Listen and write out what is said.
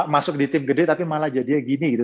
masuk di tim gede tapi malah jadinya gini gitu